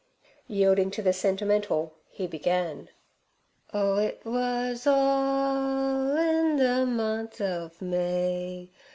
Yielding to the sentimental, he began: "'Oh, it wus all in ther month ov May.